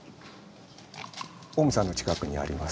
近江さんの近くにあります。